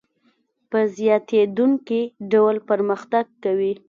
په زیاتېدونکي ډول پرمختګ کوي